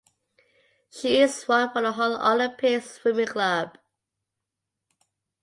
She swan for the Hull Olympic Swimming Club.